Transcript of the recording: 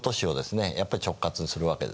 やっぱり直轄するわけですね。